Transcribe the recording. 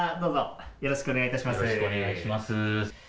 よろしくお願いします。